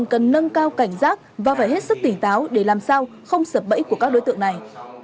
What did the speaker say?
cần nâng cao cảnh giác và phải hết sức tỉnh táo để làm sao không sập bẫy của các đối tượng này